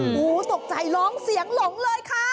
โอ้โหตกใจร้องเสียงหลงเลยค่ะ